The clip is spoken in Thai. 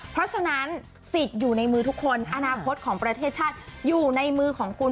เพราะฉะนั้นสิทธิ์อยู่ในมือทุกคนอนาคตของประเทศชาติอยู่ในมือของคุณ